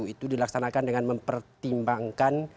itu dilaksanakan dengan mempertimbangkan